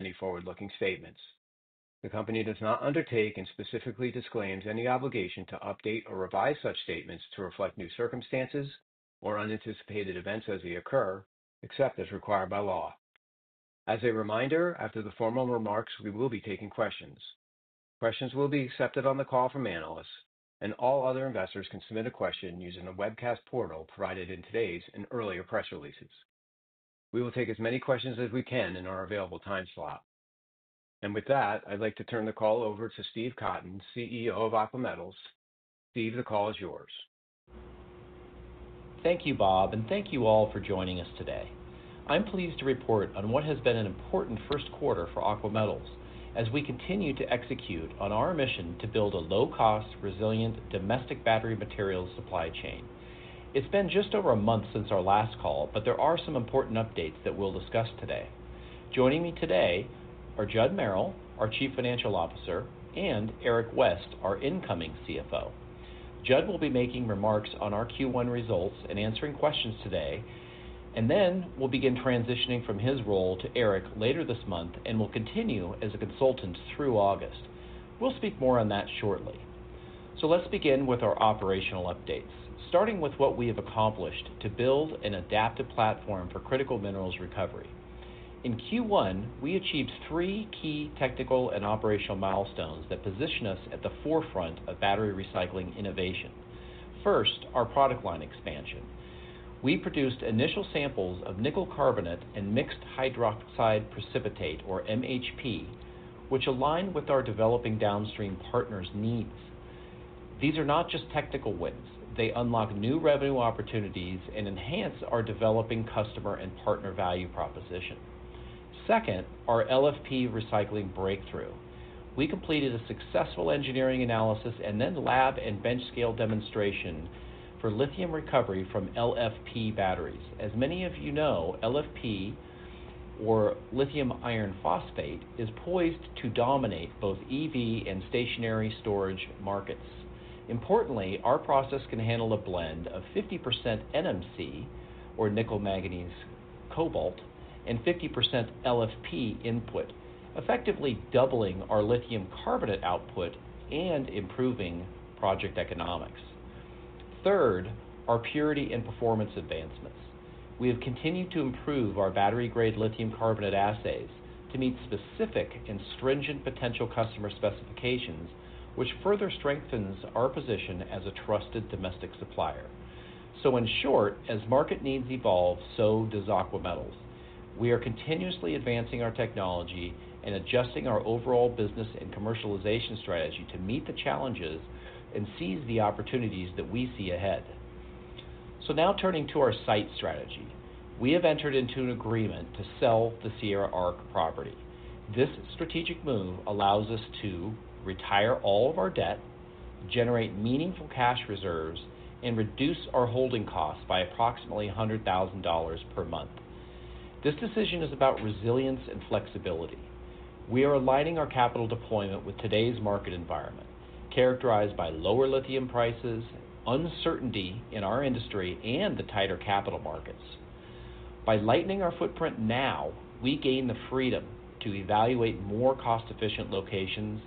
Any forward-looking statements. The company does not undertake and specifically disclaims any obligation to update or revise such statements to reflect new circumstances or unanticipated events as they occur, except as required by law. As a reminder, after the formal remarks, we will be taking questions. Questions will be accepted on the call from analysts, and all other investors can submit a question using the webcast portal provided in today's and earlier press releases. We will take as many questions as we can in our available time slot. With that, I'd like to turn the call over to Steve Cotton, CEO of Aqua Metals. Steve, the call is yours. Thank you, Bob, and thank you all for joining us today. I'm pleased to report on what has been an important first quarter for Aqua Metals as we continue to execute on our mission to build a low-cost, resilient domestic battery materials supply chain. It's been just over a month since our last call, but there are some important updates that we'll discuss today. Joining me today are Judd Merrill, our Chief Financial Officer, and Eric West, our incoming CFO. Judd will be making remarks on our Q1 results and answering questions today, and then we'll begin transitioning from his role to Eric later this month and will continue as a consultant through August. We'll speak more on that shortly. Let's begin with our operational updates, starting with what we have accomplished to build an adaptive platform for critical minerals recovery. In Q1, we achieved three key technical and operational milestones that position us at the forefront of battery recycling innovation. First, our product line expansion. We produced initial samples of nickel carbonate and mixed hydroxide precipitate, or MHP, which align with our developing downstream partners' needs. These are not just technical wins; they unlock new revenue opportunities and enhance our developing customer and partner value proposition. Second, our LFP recycling breakthrough. We completed a successful engineering analysis and then lab and bench scale demonstration for lithium recovery from LFP batteries. As many of you know, LFP, or lithium iron phosphate, is poised to dominate both EV and stationary storage markets. Importantly, our process can handle a blend of 50% NMC, or nickel manganese cobalt, and 50% LFP input, effectively doubling our lithium carbonate output and improving project economics. Third, our purity and performance advancements. We have continued to improve our battery-grade lithium carbonate assays to meet specific and stringent potential customer specifications, which further strengthens our position as a trusted domestic supplier. In short, as market needs evolve, so does Aqua Metals. We are continuously advancing our technology and adjusting our overall business and commercialization strategy to meet the challenges and seize the opportunities that we see ahead. Now turning to our site strategy, we have entered into an agreement to sell the Sierra ARC property. This strategic move allows us to retire all of our debt, generate meaningful cash reserves, and reduce our holding costs by approximately $100,000 per month. This decision is about resilience and flexibility. We are aligning our capital deployment with today's market environment, characterized by lower lithium prices, uncertainty in our industry, and the tighter capital markets. By lightening our footprint now, we gain the freedom to evaluate more cost-efficient locations,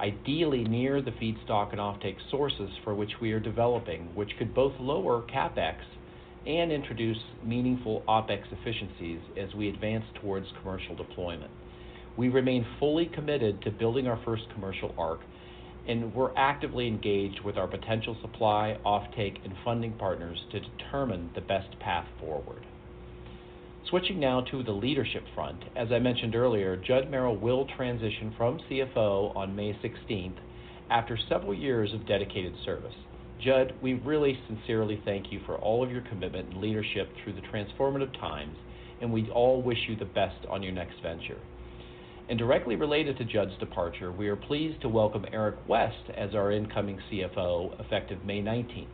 ideally near the feedstock and offtake sources for which we are developing, which could both lower CapEx and introduce meaningful OpEx efficiencies as we advance towards commercial deployment. We remain fully committed to building our first commercial ARC, and we're actively engaged with our potential supply, offtake, and funding partners to determine the best path forward. Switching now to the leadership front, as I mentioned earlier, Judd Merrill will transition from CFO on May 16th after several years of dedicated service. Judd, we really sincerely thank you for all of your commitment and leadership through the transformative times, and we all wish you the best on your next venture. Directly related to Judd's departure, we are pleased to welcome Eric West as our incoming CFO effective May 19th.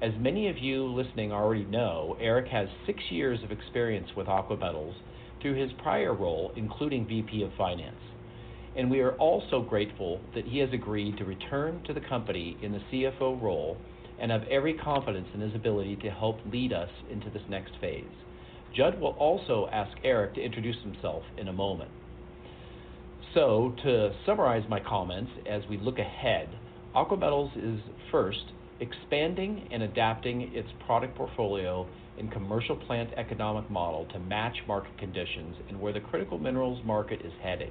As many of you listening already know, Eric has six years of experience with Aqua Metals through his prior role, including VP of Finance. We are also grateful that he has agreed to return to the company in the CFO role and have every confidence in his ability to help lead us into this next phase. Judd will also ask Eric to introduce himself in a moment. To summarize my comments as we look ahead, Aqua Metals is first, expanding and adapting its product portfolio and commercial plant economic model to match market conditions and where the critical minerals market is heading.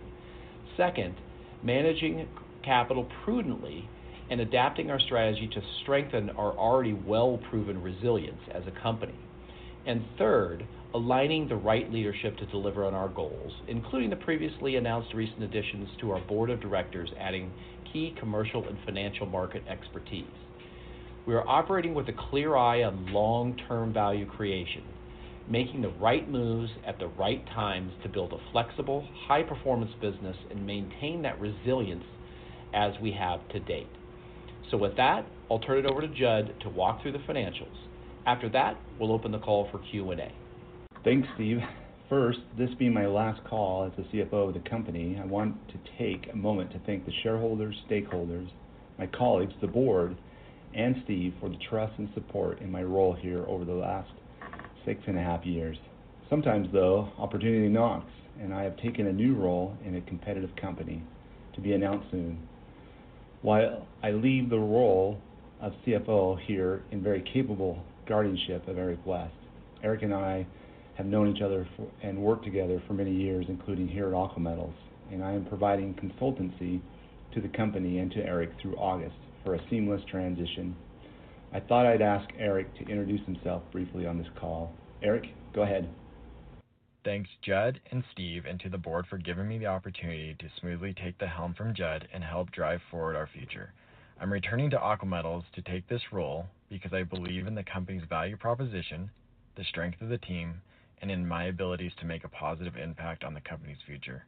Second, managing capital prudently and adapting our strategy to strengthen our already well-proven resilience as a company. Third, aligning the right leadership to deliver on our goals, including the previously announced recent additions to our board of directors, adding key commercial and financial market expertise. We are operating with a clear eye on long-term value creation, making the right moves at the right times to build a flexible, high-performance business and maintain that resilience as we have to date. With that, I'll turn it over to Judd to walk through the financials. After that, we'll open the call for Q&A. Thanks, Steve. First, this being my last call as the CFO of the company, I want to take a moment to thank the shareholders, stakeholders, my colleagues, the board, and Steve for the trust and support in my role here over the last six and a half years. Sometimes, though, opportunity knocks, and I have taken a new role in a competitive company to be announced soon. While I leave the role of CFO here in very capable guardianship of Eric West, Eric and I have known each other and worked together for many years, including here at Aqua Metals, and I am providing consultancy to the company and to Eric through August for a seamless transition. I thought I'd ask Eric to introduce himself briefly on this call. Eric, go ahead. Thanks, Judd and Steve, and to the board for giving me the opportunity to smoothly take the helm from Judd and help drive forward our future. I'm returning to Aqua Metals to take this role because I believe in the company's value proposition, the strength of the team, and in my abilities to make a positive impact on the company's future.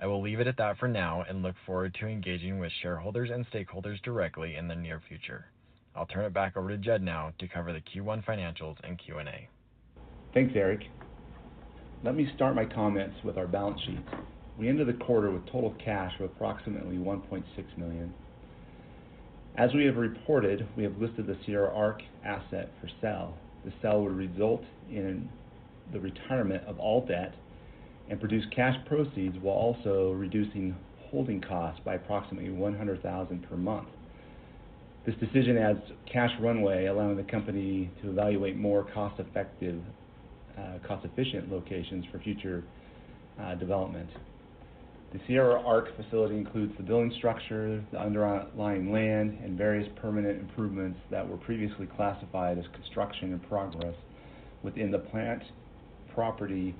I will leave it at that for now and look forward to engaging with shareholders and stakeholders directly in the near future. I'll turn it back over to Judd now to cover the Q1 financials and Q&A. Thanks, Eric. Let me start my comments with our balance sheet. We ended the quarter with total cash of approximately $1.6 million. As we have reported, we have listed the Sierra ARC asset for sale. The sale would result in the retirement of all debt and produce cash proceeds while also reducing holding costs by approximately $100,000 per month. This decision adds cash runway, allowing the company to evaluate more cost-efficient locations for future development. The Sierra ARC facility includes the building structure, the underlying land, and various permanent improvements that were previously classified as construction in progress within the plant, property,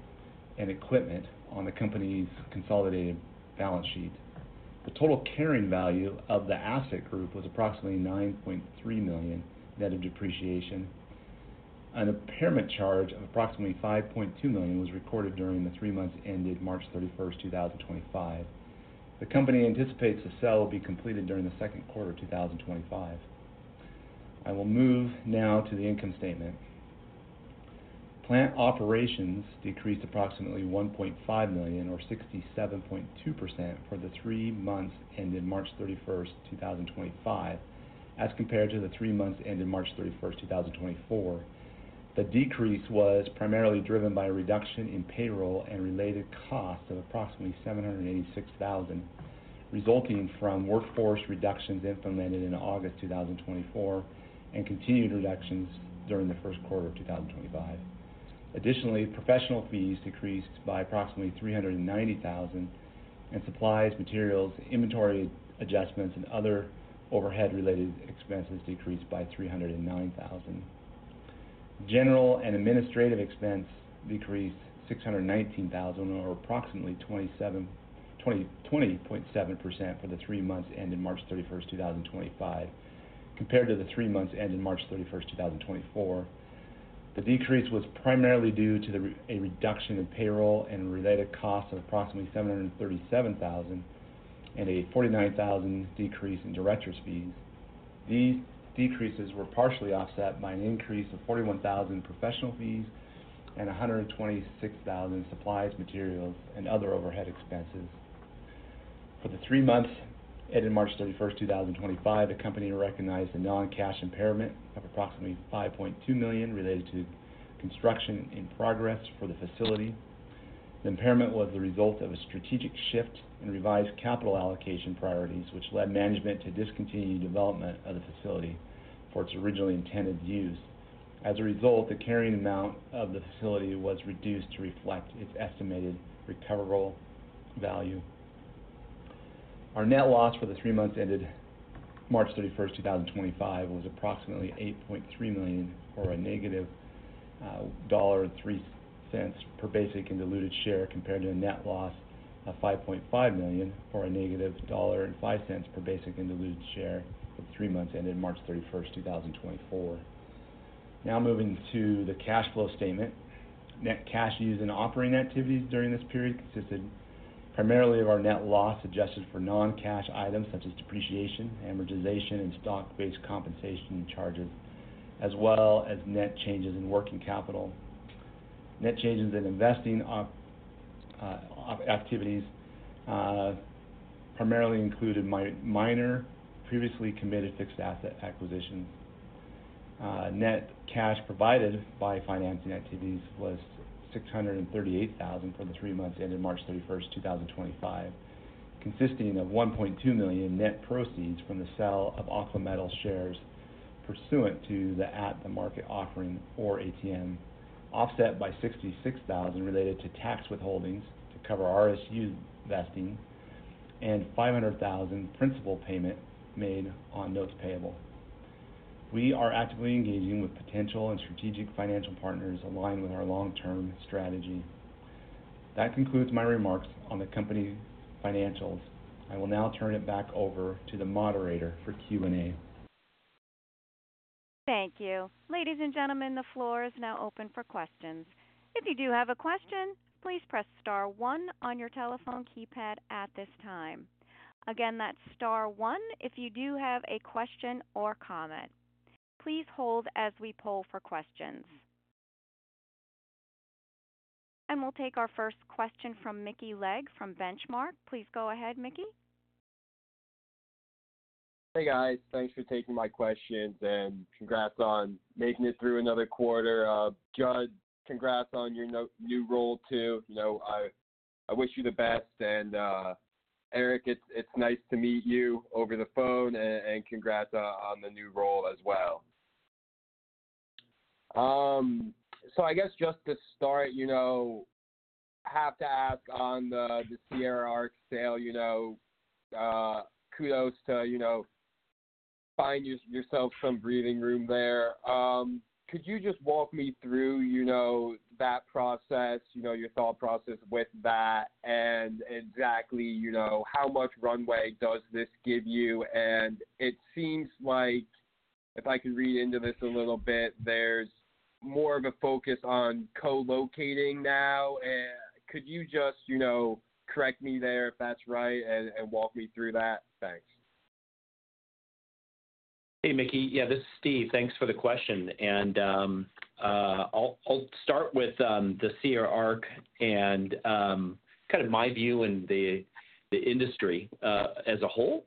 and equipment on the company's consolidated balance sheet. The total carrying value of the asset group was approximately $9.3 million net of depreciation. An impairment charge of approximately $5.2 million was recorded during the three months ended March 31, 2025. The company anticipates the sale will be completed during the second quarter of 2025. I will move now to the income statement. Plant operations decreased approximately $1.5 million, or 67.2%, for the three months ended March 31, 2025, as compared to the three months ended March 31, 2024. The decrease was primarily driven by a reduction in payroll and related costs of approximately $786,000, resulting from workforce reductions implemented in August 2024 and continued reductions during the first quarter of 2025. Additionally, professional fees decreased by approximately $390,000, and supplies, materials, inventory adjustments, and other overhead-related expenses decreased by $309,000. General and administrative expenses decreased $619,000, or approximately 20.7%, for the three months ended March 31, 2025, compared to the three months ended March 31, 2024. The decrease was primarily due to a reduction in payroll and related costs of approximately $737,000 and a $49,000 decrease in director's fees. These decreases were partially offset by an increase of $41,000 in professional fees and $126,000 in supplies, materials, and other overhead expenses. For the three months ended March 31, 2025, the company recognized a non-cash impairment of approximately $5.2 million related to construction in progress for the facility. The impairment was the result of a strategic shift in revised capital allocation priorities, which led management to discontinue development of the facility for its originally intended use. As a result, the carrying amount of the facility was reduced to reflect its estimated recoverable value. Our net loss for the three months ended March 31, 2025, was approximately $8.3 million, or a negative $1.03 per basic and diluted share, compared to a net loss of $5.5 million, or a negative $1.05 per basic and diluted share for the three months ended March 31, 2024. Now moving to the cash flow statement, net cash used in operating activities during this period consisted primarily of our net loss adjusted for non-cash items such as depreciation, amortization, and stock-based compensation charges, as well as net changes in working capital. Net changes in investing activities primarily included minor, previously committed fixed asset acquisitions. Net cash provided by financing activities was $638,000 for the three months ended March 31, 2025, consisting of $1.2 million net proceeds from the sale of Aqua Metals shares pursuant to the at-the-market offering, or ATM, offset by $66,000 related to tax withholdings to cover RSU vesting and $500,000 principal payment made on notes payable. We are actively engaging with potential and strategic financial partners aligned with our long-term strategy. That concludes my remarks on the company financials. I will now turn it back over to the moderator for Q&A. Thank you. Ladies and gentlemen, the floor is now open for questions. If you do have a question, please press star one on your telephone keypad at this time. Again, that's star one if you do have a question or comment. Please hold as we poll for questions. We'll take our first question from Mickey Legg from Benchmark. Please go ahead, Mickey. Hey, guys. Thanks for taking my questions and congrats on making it through another quarter. Judd, congrats on your new role too. I wish you the best. And Eric, it's nice to meet you over the phone and congrats on the new role as well. I guess just to start, I have to ask on the Sierra ARC sale, kudos to find yourself some breathing room there. Could you just walk me through that process, your thought process with that, and exactly how much runway does this give you? It seems like if I could read into this a little bit, there's more of a focus on co-locating now. Could you just correct me there if that's right and walk me through that? Thanks. Hey, Mickey. Yeah, this is Steve. Thanks for the question. I'll start with the Sierra ARC and kind of my view in the industry as a whole.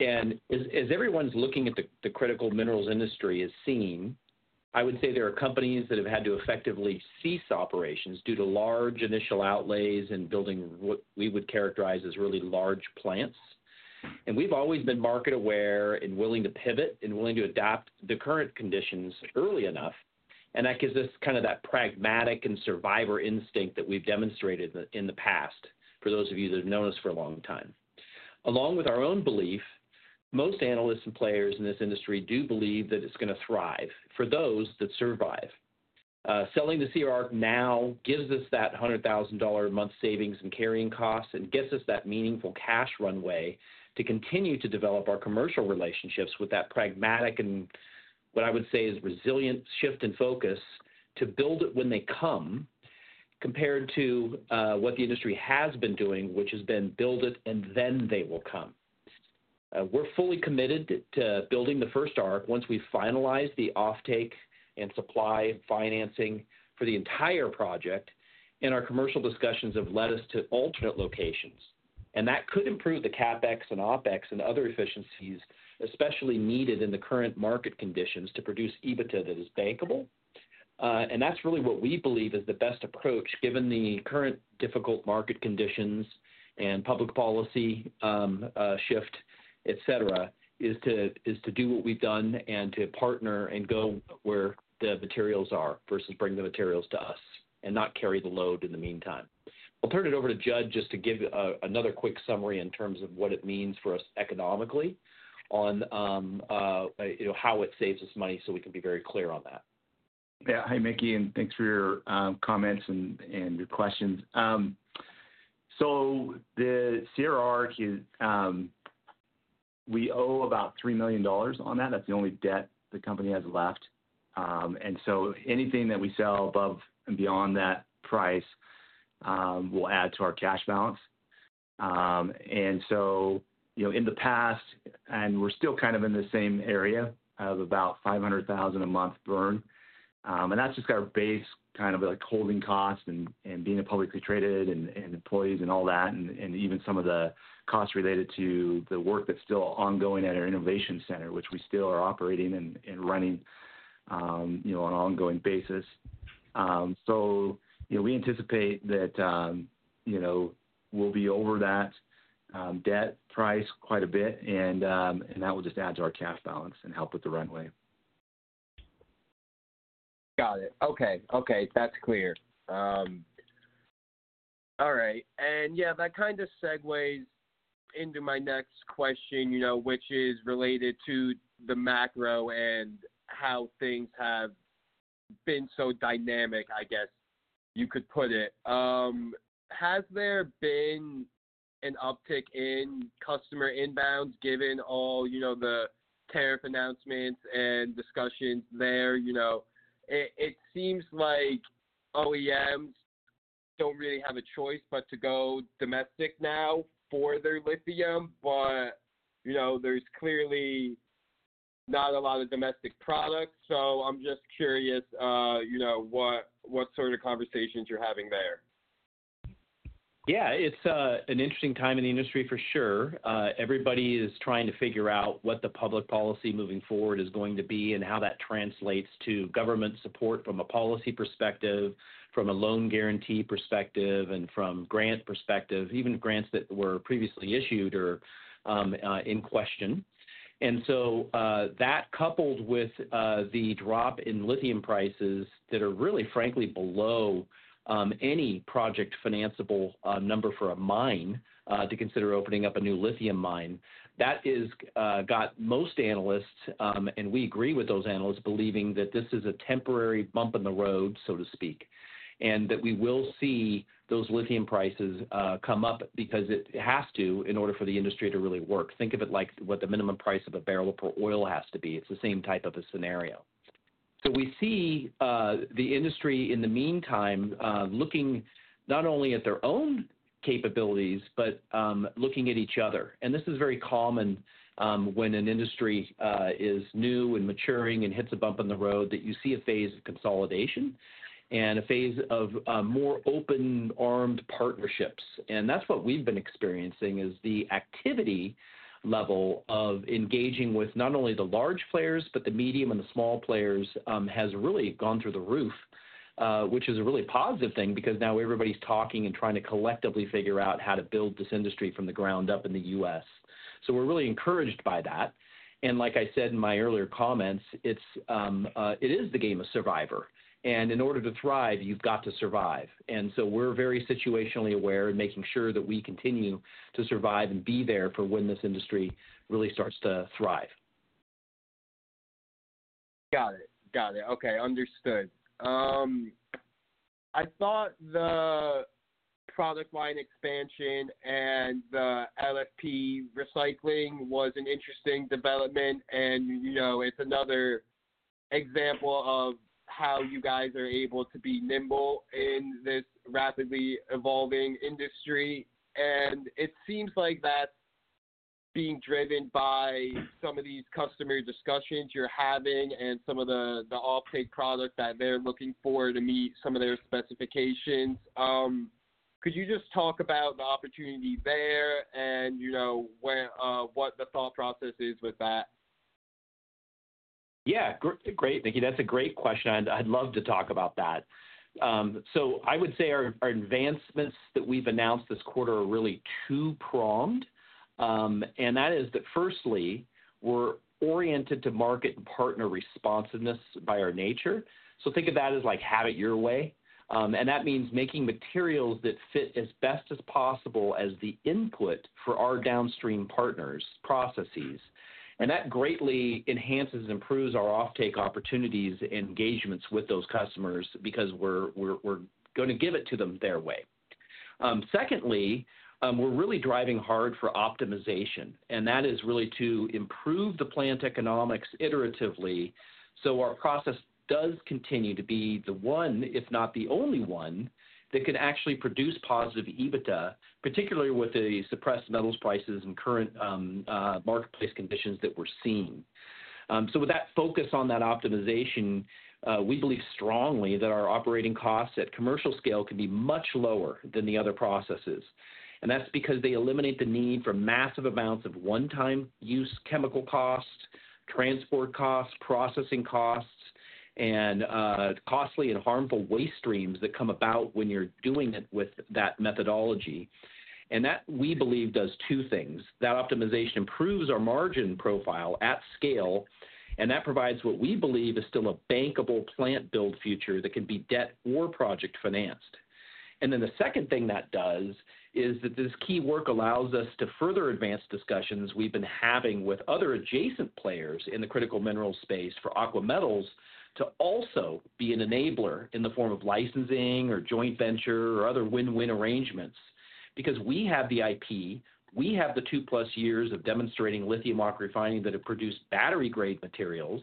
As everyone's looking at the critical minerals industry as seen, I would say there are companies that have had to effectively cease operations due to large initial outlays and building what we would characterize as really large plants. We've always been market aware and willing to pivot and willing to adapt to the current conditions early enough. That gives us kind of that pragmatic and survivor instinct that we've demonstrated in the past for those of you that have known us for a long time. Along with our own belief, most analysts and players in this industry do believe that it's going to thrive for those that survive. Selling the Sierra ARC now gives us that $100,000 a month savings in carrying costs and gives us that meaningful cash runway to continue to develop our commercial relationships with that pragmatic and what I would say is resilient shift in focus to build it when they come compared to what the industry has been doing, which has been build it and then they will come. We're fully committed to building the first ARC once we finalize the offtake and supply financing for the entire project, and our commercial discussions have led us to alternate locations. That could improve the CapEx and OpEx and other efficiencies especially needed in the current market conditions to produce EBITDA that is bankable. That is really what we believe is the best approach given the current difficult market conditions and public policy shift, etc., to do what we have done and to partner and go where the materials are versus bring the materials to us and not carry the load in the meantime. I will turn it over to Judd just to give another quick summary in terms of what it means for us economically on how it saves us money, so we can be very clear on that. Yeah. Hi, Mickey, and thanks for your comments and your questions. The Sierra ARC, we owe about $3 million on that. That is the only debt the company has left. Anything that we sell above and beyond that price will add to our cash balance. In the past, and we are still kind of in the same area of about $500,000 a month burn. That is just our base kind of holding costs and being publicly traded and employees and all that, and even some of the costs related to the work that is still ongoing at our innovation center, which we still are operating and running on an ongoing basis. We anticipate that we will be over that debt price quite a bit, and that will just add to our cash balance and help with the runway. Got it. Okay. Okay. That's clear. All right. Yeah, that kind of segues into my next question, which is related to the macro and how things have been so dynamic, I guess you could put it. Has there been an uptick in customer inbounds given all the tariff announcements and discussions there? It seems like OEMs don't really have a choice but to go domestic now for their lithium, but there's clearly not a lot of domestic products. I'm just curious what sort of conversations you're having there. Yeah. It's an interesting time in the industry for sure. Everybody is trying to figure out what the public policy moving forward is going to be and how that translates to government support from a policy perspective, from a loan guarantee perspective, and from a grant perspective, even grants that were previously issued are in question. That, coupled with the drop in lithium prices that are really, frankly, below any project-financeable number for a mine to consider opening up a new lithium mine, has got most analysts, and we agree with those analysts, believing that this is a temporary bump in the road, so to speak, and that we will see those lithium prices come up because it has to in order for the industry to really work. Think of it like what the minimum price of a barrel of oil has to be. It's the same type of a scenario. We see the industry in the meantime looking not only at their own capabilities, but looking at each other. This is very common when an industry is new and maturing and hits a bump in the road that you see a phase of consolidation and a phase of more open-armed partnerships. That's what we've been experiencing is the activity level of engaging with not only the large players, but the medium and the small players has really gone through the roof, which is a really positive thing because now everybody's talking and trying to collectively figure out how to build this industry from the ground up in the U.S. We're really encouraged by that. Like I said in my earlier comments, it is the game of survivor. In order to thrive, you've got to survive. We're very situationally aware and making sure that we continue to survive and be there for when this industry really starts to thrive. Got it. Got it. Okay. Understood. I thought the product line expansion and the LFP recycling was an interesting development, and it's another example of how you guys are able to be nimble in this rapidly evolving industry. It seems like that's being driven by some of these customer discussions you're having and some of the offtake products that they're looking for to meet some of their specifications. Could you just talk about the opportunity there and what the thought process is with that? Yeah. Great, Mickey. That's a great question. I'd love to talk about that. I would say our advancements that we've announced this quarter are really two-pronged. That is that, firstly, we're oriented to market and partner responsiveness by our nature. Think of that as like have it your way. That means making materials that fit as best as possible as the input for our downstream partners' processes. That greatly enhances and improves our offtake opportunities and engagements with those customers because we're going to give it to them their way. Secondly, we're really driving hard for optimization. That is really to improve the plant economics iteratively so our process does continue to be the one, if not the only one, that can actually produce positive EBITDA, particularly with the suppressed metals prices and current marketplace conditions that we're seeing. With that focus on that optimization, we believe strongly that our operating costs at commercial scale can be much lower than the other processes. That is because they eliminate the need for massive amounts of one-time use chemical costs, transport costs, processing costs, and costly and harmful waste streams that come about when you're doing it with that methodology. That, we believe, does two things. That optimization improves our margin profile at scale, and that provides what we believe is still a bankable plant-build future that can be debt or project financed. The second thing that does is that this key work allows us to further advance discussions we've been having with other adjacent players in the critical minerals space for Aqua Metals to also be an enabler in the form of licensing or joint venture or other win-win arrangements because we have the IP, we have the two-plus years of demonstrating lithium-oxide refining that have produced battery-grade materials,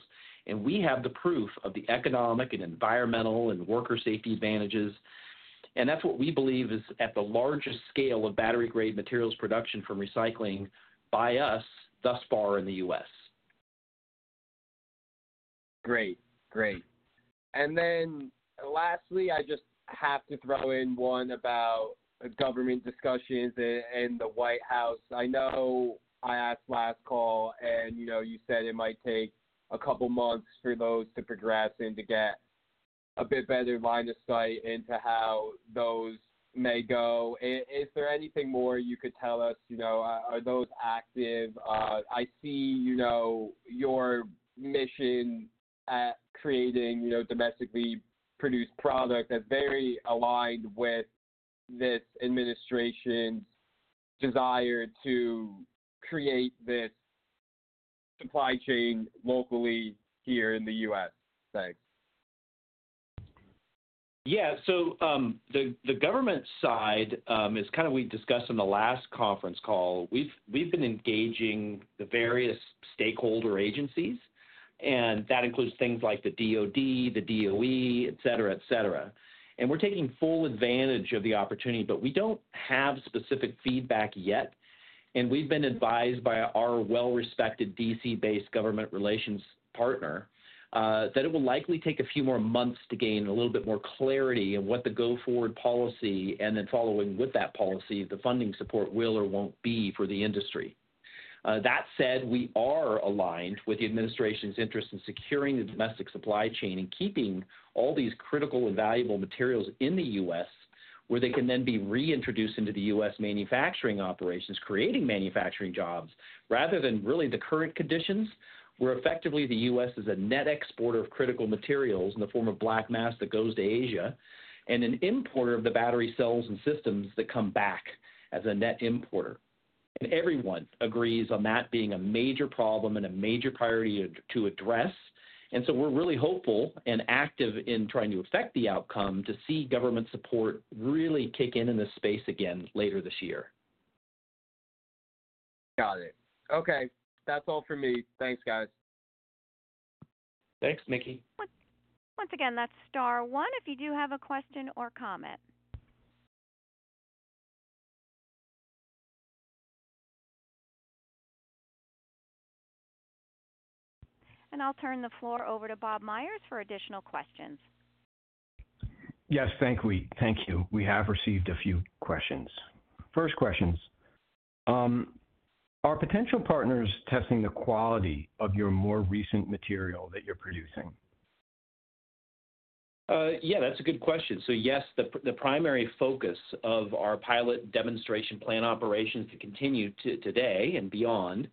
and we have the proof of the economic and environmental and worker safety advantages. That's what we believe is at the largest scale of battery-grade materials production from recycling by us thus far in the U.S. Great. Great. Lastly, I just have to throw in one about government discussions and the White House. I know I asked last call, and you said it might take a couple of months for those to progress and to get a bit better line of sight into how those may go. Is there anything more you could tell us? Are those active? I see your mission at creating domestically produced product as very aligned with this administration's desire to create this supply chain locally here in the U.S. Thanks. Yeah. The government side is kind of we discussed in the last conference call. We've been engaging the various stakeholder agencies, and that includes things like the DOD, the DOE, etc., etc. We're taking full advantage of the opportunity, but we don't have specific feedback yet. We've been advised by our well-respected DC-based government relations partner that it will likely take a few more months to gain a little bit more clarity on what the go-forward policy and then following with that policy, the funding support will or won't be for the industry. That said, we are aligned with the administration's interest in securing the domestic supply chain and keeping all these critical and valuable materials in the U.S. where they can then be reintroduced into the U.S. manufacturing operations, creating manufacturing jobs rather than really the current conditions where effectively the U.S. is a net exporter of critical materials in the form of black mass that goes to Asia and an importer of the battery cells and systems that come back as a net importer. Everyone agrees on that being a major problem and a major priority to address. We are really hopeful and active in trying to affect the outcome to see government support really kick in in this space again later this year. Got it. Okay. That's all for me. Thanks, guys. Thanks, Mickey. Once again, that's star one if you do have a question or comment. I'll turn the floor over to Bob Meyers for additional questions. Yes. Thank you. We have received a few questions. First question. Are potential partners testing the quality of your more recent material that you're producing? Yeah. That's a good question. Yes, the primary focus of our pilot demonstration plant operations to continue today and beyond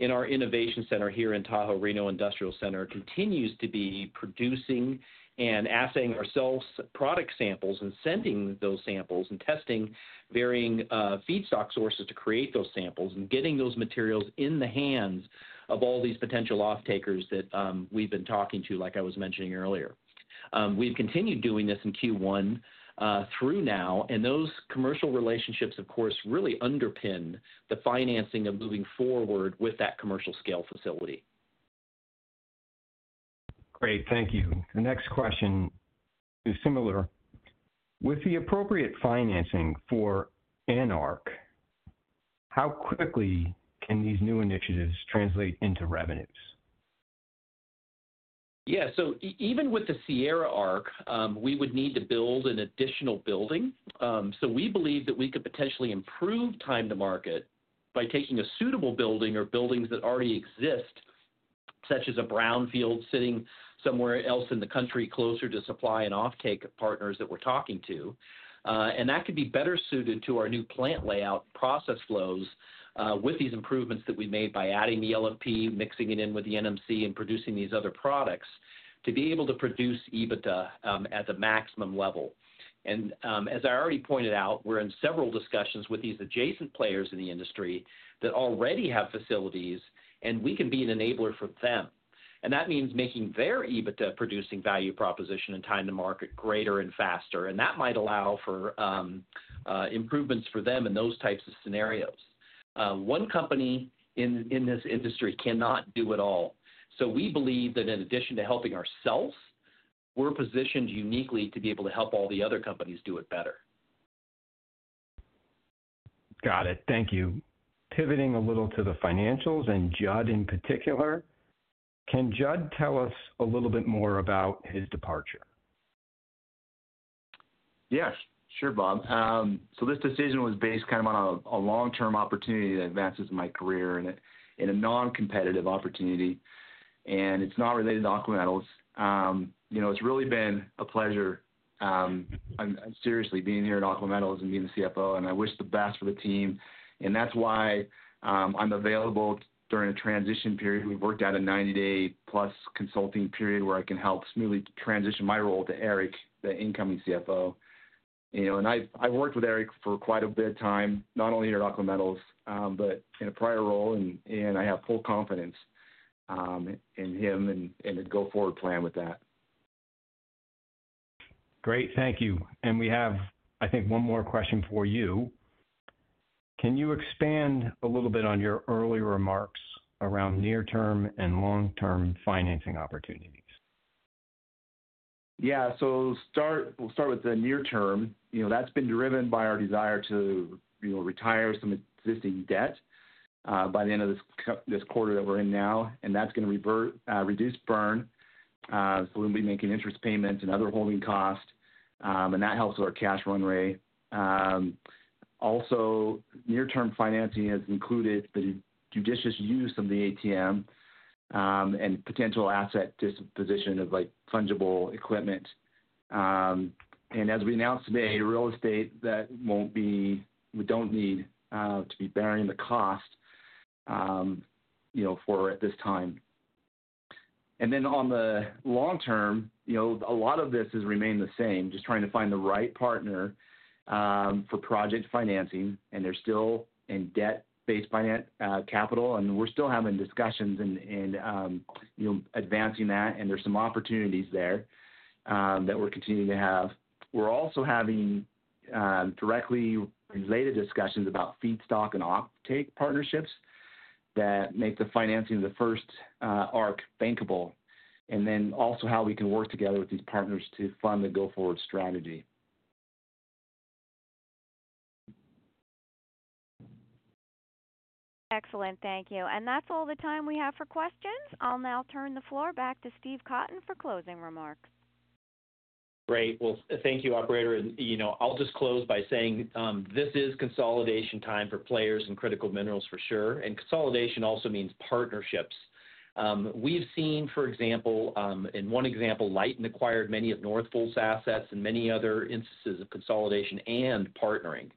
in our innovation center here in Tahoe Reno Industrial Center continues to be producing and assaying ourselves product samples and sending those samples and testing varying feedstock sources to create those samples and getting those materials in the hands of all these potential off-takers that we've been talking to, like I was mentioning earlier. We've continued doing this in Q1 through now. Those commercial relationships, of course, really underpin the financing of moving forward with that commercial-scale facility. Great. Thank you. The next question is similar. With the appropriate financing for an ARC, how quickly can these new initiatives translate into revenues? Yeah. Even with the Sierra ARC, we would need to build an additional building. We believe that we could potentially improve time to market by taking a suitable building or buildings that already exist, such as a brownfield sitting somewhere else in the country closer to supply and offtake partners that we're talking to. That could be better suited to our new plant layout process flows with these improvements that we made by adding the LFP, mixing it in with the NMC, and producing these other products to be able to produce EBITDA at the maximum level. As I already pointed out, we're in several discussions with these adjacent players in the industry that already have facilities, and we can be an enabler for them. That means making their EBITDA producing value proposition and time to market greater and faster. That might allow for improvements for them in those types of scenarios. One company in this industry cannot do it all. We believe that in addition to helping ourselves, we're positioned uniquely to be able to help all the other companies do it better. Got it. Thank you. Pivoting a little to the financials and Judd in particular, can Judd tell us a little bit more about his departure? Yes. Sure, Bob. This decision was based kind of on a long-term opportunity that advances my career in a non-competitive opportunity. It is not related to Aqua Metals. It has really been a pleasure, seriously, being here at Aqua Metals and being the CFO. I wish the best for the team. That is why I am available during a transition period. We have worked out a 90-day-plus consulting period where I can help smoothly transition my role to Eric, the incoming CFO. I have worked with Eric for quite a bit of time, not only here at Aqua Metals, but in a prior role. I have full confidence in him and the go-forward plan with that. Great. Thank you. We have, I think, one more question for you. Can you expand a little bit on your earlier remarks around near-term and long-term financing opportunities? Yeah. We'll start with the near-term. That's been driven by our desire to retire some existing debt by the end of this quarter that we're in now. That's going to reduce burn. We'll be making interest payments and other holding costs. That helps with our cash runway. Also, near-term financing has included the judicious use of the ATM and potential asset disposition of fungible equipment. As we announced today, real estate that we don't need to be bearing the cost for at this time. On the long term, a lot of this has remained the same, just trying to find the right partner for project financing. There's still debt-based capital. We're still having discussions and advancing that. There are some opportunities there that we're continuing to have. We're also having directly related discussions about feedstock and offtake partnerships that make the financing of the first ARC bankable. Also, how we can work together with these partners to fund the go-forward strategy. Excellent. Thank you. That's all the time we have for questions. I'll now turn the floor back to Steve Cotton for closing remarks. Great. Thank you, operator. I'll just close by saying this is consolidation time for players in critical minerals for sure. Consolidation also means partnerships. We've seen, for example, in one example, Leighton acquired many of North Fool's assets and many other instances of consolidation and partnering.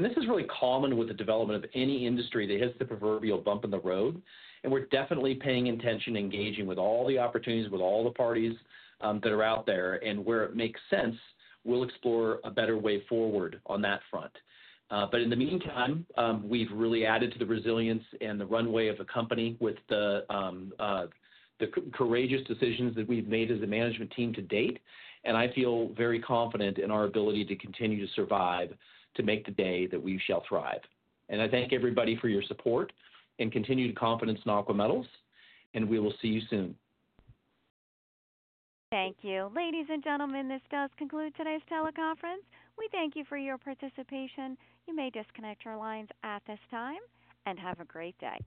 This is really common with the development of any industry that hits the proverbial bump in the road. We're definitely paying attention, engaging with all the opportunities, with all the parties that are out there. Where it makes sense, we'll explore a better way forward on that front. In the meantime, we've really added to the resilience and the runway of the company with the courageous decisions that we've made as a management team to date. I feel very confident in our ability to continue to survive to make the day that we shall thrive. I thank everybody for your support and continued confidence in Aqua Metals. We will see you soon. Thank you. Ladies and gentlemen, this does conclude today's teleconference. We thank you for your participation. You may disconnect your lines at this time and have a great day.